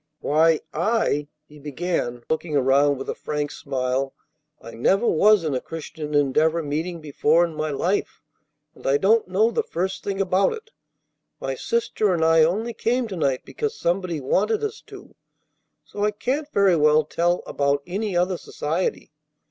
"Why, I," he began, looking around with a frank smile, "I never was in a Christian Endeavor meeting before in my life, and I don't know the first thing about it. My sister and I only came to night because somebody wanted us to; so I can't very well tell about any other society.